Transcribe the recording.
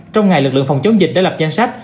trong ngày lực lượng phòng chống dịch đã lập danh sách